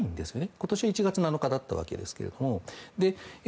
今年は１月７日だったわけですが。